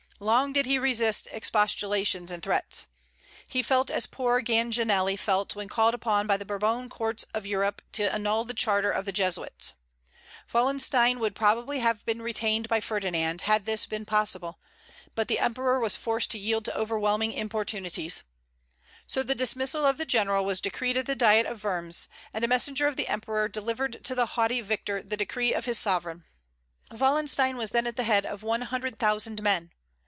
Long did he resist expostulations and threats. He felt as poor Ganganelli felt when called upon by the Bourbon courts of Europe to annul the charter of the Jesuits. Wallenstein would probably have been retained by Ferdinand, had this been possible; but the Emperor was forced to yield to overwhelming importunities. So the dismissal of the general was decreed at the diet of Worms, and a messenger of the Emperor delivered to the haughty victor the decree of his sovereign. Wallenstein was then at the head of one hundred thousand men.